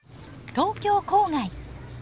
東京郊外。